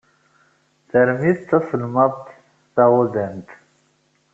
Tarmit d taselmadt taɣudant.